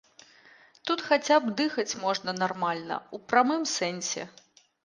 Тут хаця б дыхаць можна нармальна ў прамым сэнсе.